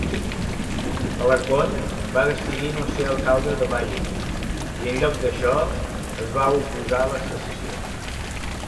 Alarcon va decidir no ser alcalde de Valley i enlloc d"això es va oposar a la secessió.